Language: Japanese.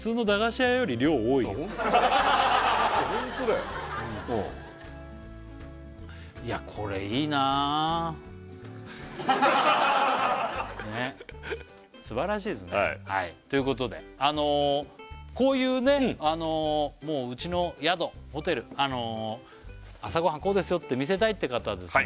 ここホントだようんねっすばらしいですねはいということでこういうねうちの宿ホテル朝ごはんこうですよって見せたいって方はですね